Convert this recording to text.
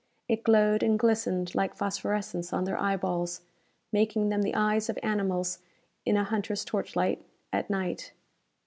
It glowed and glistened like phosphorescence on their eyeballs, making them the eyes of animals in a hunter's torchlight, at night.